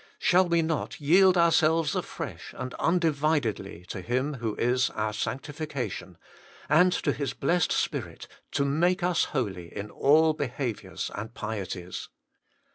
Shall we not yield ourselves afresh and undividedly to Him who is our Sanctification, and to His Blessed Spirit, to make us holy in all behaviours and pieties